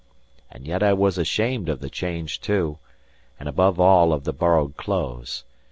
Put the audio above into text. And yet I was ashamed of the change too, and, above all, of the borrowed clothes.